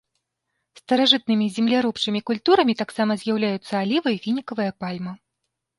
Старажытнымі земляробчымі культурамі таксама з'яўляюцца аліва і фінікавая пальма.